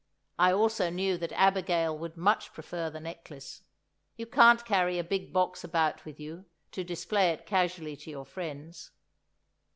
I also knew that Abigail would much prefer the necklace. You can't carry a big box about with you, to display it casually to your friends.